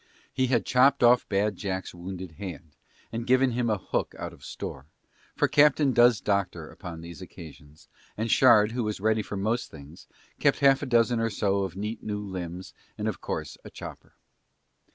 He had chopped off Bad Jack's wounded hand and given him a hook out of store, for captain does doctor upon these occasions and Shard, who was ready for most things, kept half a dozen or so of neat new limbs, and of course a chopper.